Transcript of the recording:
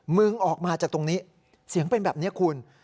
มึงออกมาจากตรงนี้เสียงเป็นแบบนี้คุณ